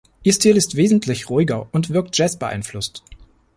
Ihr Stil ist wesentlich ruhiger und wirkt Jazz-beeinflusst.